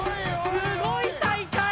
すごい大会！